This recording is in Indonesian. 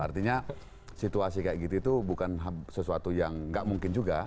artinya situasi kayak gitu itu bukan sesuatu yang nggak mungkin juga